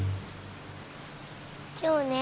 今日ね